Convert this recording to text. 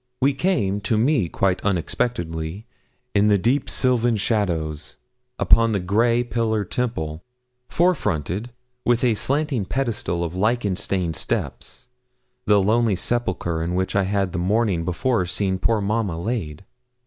We came, to me quite unexpectedly, in the deep sylvan shadows, upon the grey, pillared temple, four fronted, with a slanting pedestal of lichen stained steps, the lonely sepulchre in which I had the morning before seen poor mamma laid.